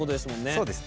そうですね。